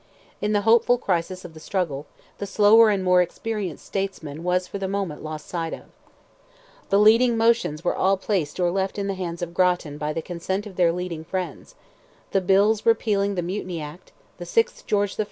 In the hopeful crisis of the struggle, the slower and more experienced statesman was for the moment lost sight of. The leading motions were all placed or left in the hands of Grattan by the consent of their leading friends; the bills repealing the Mutiny Act, the 6th George I.